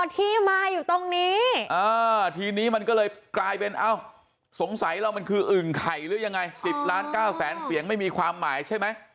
ที่มาอยู่ตรงนี้ทีนี้มันก็เลยกลายเป็นเอ้าสงสัยเรามันคืออึ่งไข่หรือยังไง๑๐ล้าน๙แสนเสียงไม่มีความหมายใช่ไหม